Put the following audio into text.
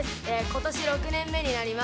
今年６年目になります。